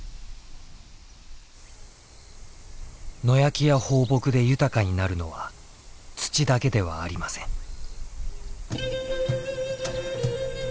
野焼きや放牧で豊かになるのは土だけではありません。